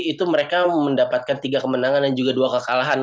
itu mereka mendapatkan tiga kemenangan dan juga dua kekalahan